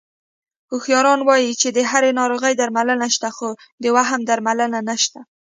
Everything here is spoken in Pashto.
هوښیاران وایي چې د هرې ناروغۍ درملنه شته، خو د وهم درملنه نشته...